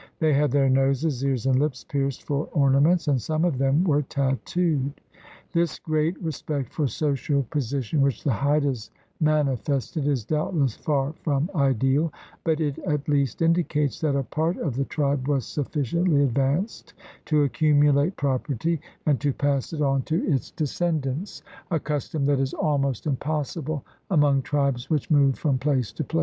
They had their noses, ears, and lips pierced for ornaments, and some of them were tattooed. This great re spect for social position which the Haidas mani fested is doubtless far from ideal, but it at least indicates that a part of the tribe was sufficiently advanced to accumulate property and to pass it on to its descendants — a custom that is almost impossible among tribes which move from place to place.